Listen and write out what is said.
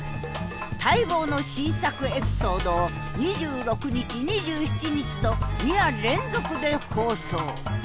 待望の新作エピソードを２６日２７日と２夜連続で放送。